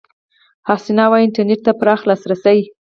حسنه وايي، انټرنېټ ته پراخ لاسرسي